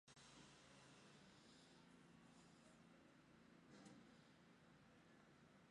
Això sí que és una casualitat.